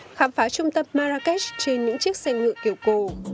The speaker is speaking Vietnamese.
anh ibalan đã phá trung tâm marrakech trên những chiếc xe ngựa kiểu cổ